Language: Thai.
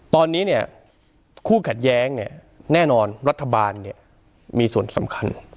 ตอนนี้เนี่ยคู่ขัดแย้งเนี่ยแน่นอนรัฐบาลมีส่วนสำคัญ